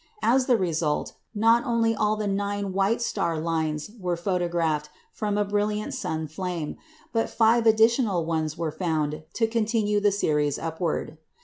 As the result, not only all the nine white star lines were photographed from a brilliant sun flame, but five additional ones were found to continue the series upward.